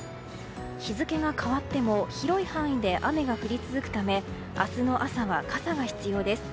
日付が変わっても広い範囲で雨が降り続くため、明日の朝は傘が必要です。